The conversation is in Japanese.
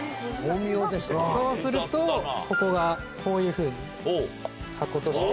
そうするとここがこういうふうに箱として。